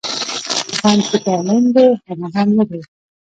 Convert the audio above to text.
ـ غم چې په عالم دى هغه غم نه دى.